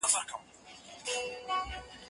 کېدای سي خبري اوږدې وي!؟